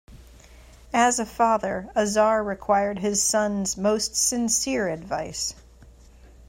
As a father, Azar required his son's most sincere advice.